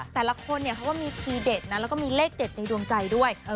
แต่ละคนเนี่ยเขาก็มีทีเด็ดนะแล้วก็มีเลขเด็ดในดวงใจด้วย